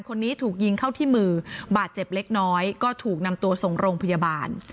คนนี้ถูกยิงเข้าที่มือบาดเจ็บเล็กน้อยก็ถูกนำตัวส่งโรงพยาบาล